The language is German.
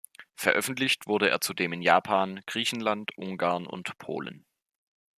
Veröffentlicht wurde er zudem in Japan, Griechenland, Ungarn und Polen.